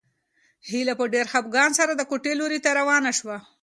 هیله په ډېر خپګان سره د کوټې لوري ته روانه شوه.